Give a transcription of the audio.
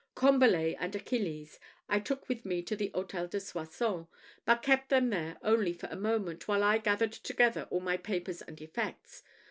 Combalet and Achilles I took with me to the Hôtel de Soissons, but kept them there only for a moment, while I gathered together all my papers and effects.